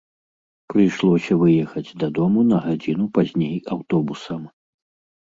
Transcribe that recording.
Прыйшлося выехаць дадому на гадзіну пазней аўтобусам.